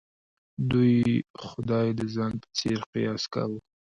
دوی خدای د ځان په څېر قیاس کاوه.